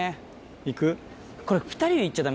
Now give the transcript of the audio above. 行く？